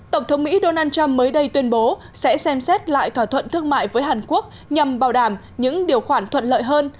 tổng thống mỹ donald trump mới đây tuyên bố sẽ xem xét lại thỏa thuận thương mại với hàn quốc nhằm bảo đảm những điều khoản thuận lợi hơn